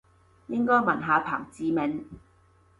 應該問下彭志銘